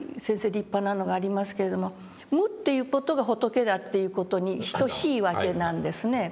立派なのがありますけれども無っていう事が仏だっていう事に等しいわけなんですね。